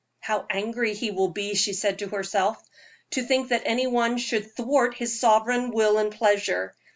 "How angry he will be," she said to herself, "to think that any one should thwart his sovereign will and pleasure.